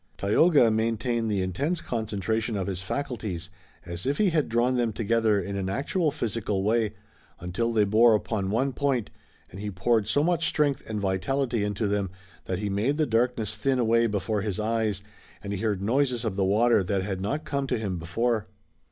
Tayoga maintained the intense concentration of his faculties, as if he had drawn them together in an actual physical way, until they bore upon one point, and he poured so much strength and vitality into them that he made the darkness thin away before his eyes and he heard noises of the water that had not come to him before.